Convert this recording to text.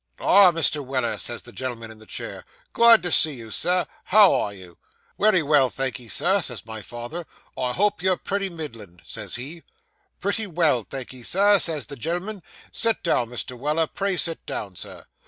"Ah, Mr. Weller," says the gen'l'm'n in the chair, "glad to see you, sir; how are you?" "Wery well, thank 'ee, Sir," says my father; "I hope you're pretty middlin," says he. "Pretty well, thank'ee, Sir," says the gen'l'm'n; "sit down, Mr. Weller pray sit down, sir."